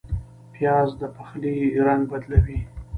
پیاز د پخلي رنګ بدلوي